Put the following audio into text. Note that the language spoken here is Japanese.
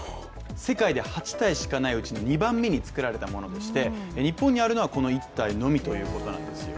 世界で８体しかないうちの２番目に作られたものでして日本にあるのはこの１体のみということなんですよ。